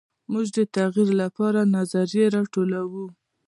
موږ د تغیر لپاره نظریې راټولوو.